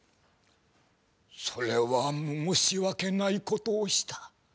それは申し訳ないことをした。